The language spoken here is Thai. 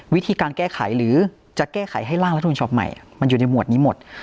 วิธีการแก้ไขหรือจะแก้ไขให้ร่างรัฐมนุนฉบับใหม่มันอยู่ในหวดนี้หมด